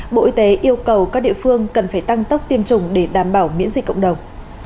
bộ y tế yêu cầu các địa phương cần phải tăng tốc tiêm chủng để đảm bảo miễn dịch cộng đồng